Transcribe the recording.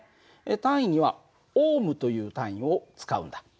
単位にはΩという単位を使うんだ。